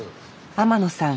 天野さん